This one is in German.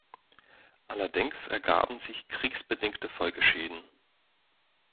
Allerdings ergaben sich kriegsbedingte Folgeschäden.